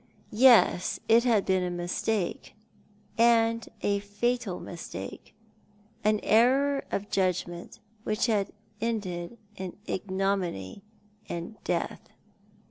Yes, it had been a mistake, and a fatal mistake — an error of judgment which had ended in ignominy and death.